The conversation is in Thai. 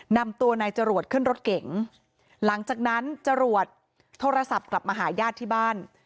นำตัวนายจรวดขึ้นรถเก๋งหลังจากนั้นจรวดโทรศัพท์กลับมาหาญาติที่บ้าน